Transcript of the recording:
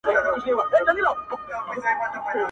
ستا د موسکا- ستا د ګلونو د ګېډیو وطن-